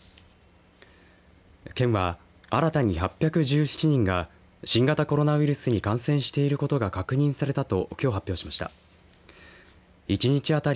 県は、新たに８１７人が新型コロナウイルスに感染していることが確認されたときょう発表しました。